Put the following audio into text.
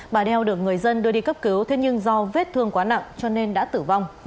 bà đeo được người dân đưa đi cấp cứu thế nhưng do vết thương quá nặng cho nên đã tử vong